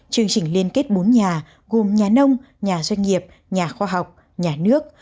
chương trình liên kết bốn nhà gồm nhà nông nhà doanh nghiệp nhà khoa học nhà nước